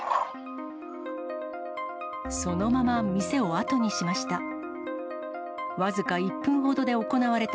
そのまま店を後にしました。